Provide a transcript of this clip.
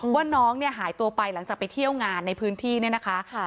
ว่าน้องเนี่ยหายตัวไปหลังจากไปเที่ยวงานในพื้นที่เนี่ยนะคะ